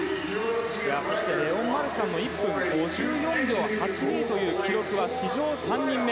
レオン・マルシャン１分５４秒８２という記録は史上３人目。